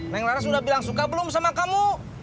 neng laras sudah bilang suka belum sama kamu